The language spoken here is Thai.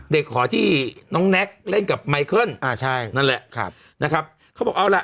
เด็กหอที่น้องแน็กเล่นกับไมเคิลใช่นั่นแหละนะครับเขาบอกเอาล่ะ